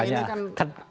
nantinya ini kan opsi opsi